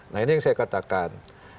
nah ini yang saya katakan